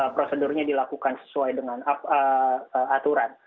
prosedurnya dilakukan sesuai dengan aturan